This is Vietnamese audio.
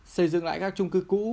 xây dựng lại các chung cư cũ